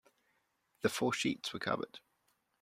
The four sheets were covered.